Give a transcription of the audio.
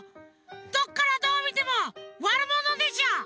どっからどうみてもワルモノでしょ！